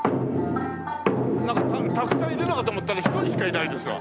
たくさんいるのかと思ったら１人しかいないですわ。